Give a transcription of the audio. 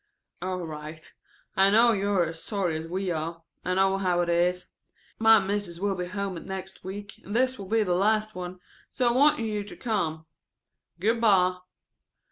("All right. I know you are as sorry as we are. I know how it is. My Mis'es will be at home next week and this will be the last one, so I wanted you to come. Good by.")